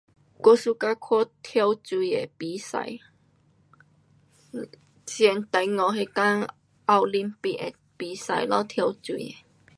我 suka 看跳水的比赛。像中国那天奥林匹的比赛咯，跳水的。